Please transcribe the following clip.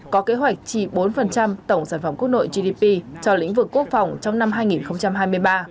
có kế hoạch chi bốn tổng sản phẩm quốc nội gdp cho lĩnh vực quốc phòng trong năm hai nghìn hai mươi ba